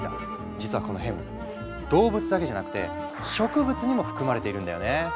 実はこのヘム動物だけじゃなくて植物にも含まれているんだよね。